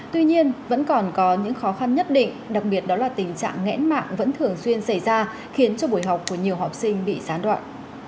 tuy nhiên vẫn còn có những khó khăn nhất định đặc biệt đó là tình trạng nghẽn mạng vẫn thường xuyên xảy ra khiến cho buổi học của nhiều học sinh bị gián đoạn